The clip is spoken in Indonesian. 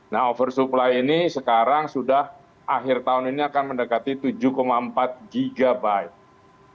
nah oversupply ini sekarang sudah akhir tahun ini akan mendekati tujuh empat gb